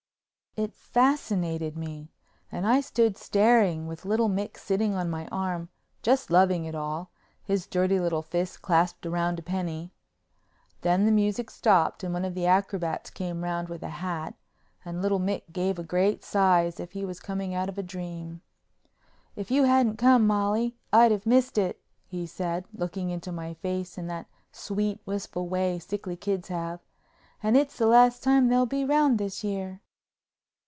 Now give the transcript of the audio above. It fascinated me and I stood staring with little Mick sitting on my arm, just loving it all, his dirty little fist clasped round a penny. Then the music stopped and one of the acrobats came round with a hat and little Mick gave a great sigh as if he was coming out of a dream. "If you hadn't come, Molly, I'd have missed it," he said, looking into my face in that sweet wistful way sickly kids have, "and it's the last time they'll be round this year."